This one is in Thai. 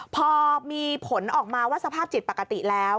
พอมีผลออกมาว่าสภาพจิตปกติแล้ว